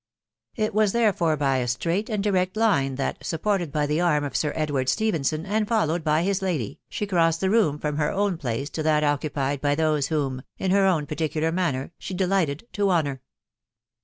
It was, therefore, by a straight and direct line that, sup ported by the arm of Sir Edward Stephenson, and followed by his lady, the crossed the room from her own place to that x 2 SOS THE DIIDOW BARNABY. occupied by those whom (in her own particular manner) as delighted to honour.